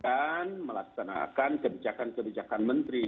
dan melaksanakan kebijakan kebijakan menteri